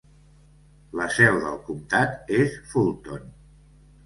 La seu del comtat és Fulton.